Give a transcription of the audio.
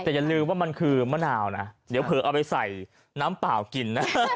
แต่อย่าลืมว่ามันคือมะนาวนะเดี๋ยวเผลอเอาไปใส่น้ำเปล่ากินนะ